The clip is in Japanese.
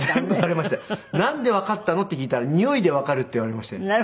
「なんでわかったの？」って聞いたら「においでわかる」って言われまして。